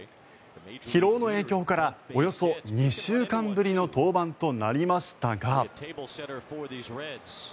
疲労の影響からおよそ２週間ぶりの登板となりましたが。